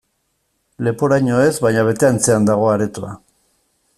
Leporaino ez, baina bete antzean dago aretoa.